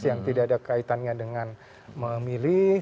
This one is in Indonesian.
yang tidak ada kaitannya dengan memilih